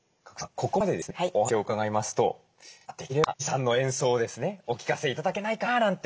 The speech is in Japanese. ここまでですねお話を伺いますとできれば由美さんの演奏をですねお聴かせ頂けないかななんて。